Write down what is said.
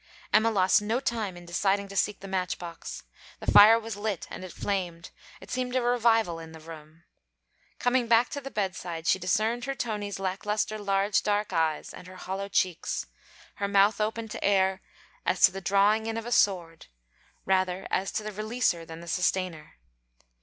Emma lost no time in deciding to seek the match box. The fire was lit and it flamed; it seemed a revival in the room. Coming back to the bedside, she discerned her Tony's lacklustre large dark eyes and her hollow cheeks: her mouth open to air as to the drawing in of a sword; rather as to the releaser than the sustainer.